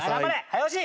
早押し！